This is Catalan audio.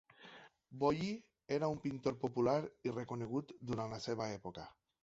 Boilly era un pintor popular i reconegut durant la seva època.